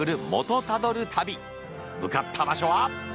向かった場所は。